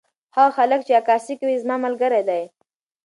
هغه هلک چې عکاسي کوي زما ملګری دی.